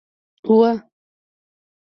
وه